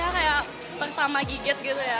kayak pertama gigit gitu ya